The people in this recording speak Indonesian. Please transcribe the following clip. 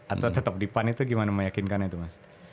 atau tetap di pan itu gimana meyakinkan itu mas